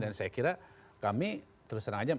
dan saya kira kami terserah aja